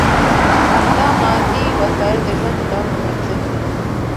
دا مادي وسایل د ژوند د دوام لپاره ضروري دي.